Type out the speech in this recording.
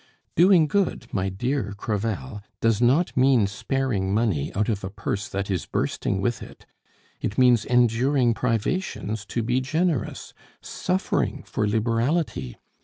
"Doing good, my dear Crevel, does not mean sparing money out of a purse that is bursting with it; it means enduring privations to be generous, suffering for liberality!